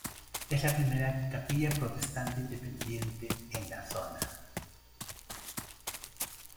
Es la primera Capilla Protestante Independiente en la zona.